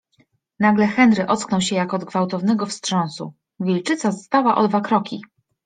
Nagle Henry ocknął się jak od gwałtownego wstrząsu. Wilczyca stała o dwa kroki.